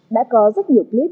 đã có rất nhiều clip